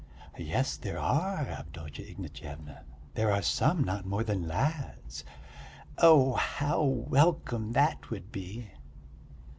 "Yes, there are, Avdotya Ignatyevna. There are some not more than lads." "Oh, how welcome that would be!"